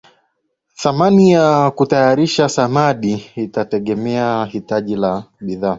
Thamani ya kutayarisha samadi itategemea hitaji la bidhaa